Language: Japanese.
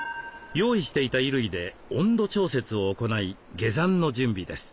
用意していた衣類で温度調節を行い下山の準備です。